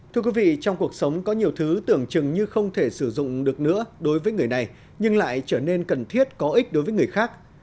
thưa quý vị trong cuộc sống có nhiều thứ tưởng chừng như không thể sử dụng được nữa đối với người này nhưng lại trở nên cần thiết có ích đối với người khác